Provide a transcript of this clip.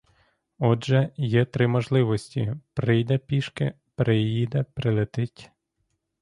Отже, є три можливості: прийде пішки, приїде, прилетить.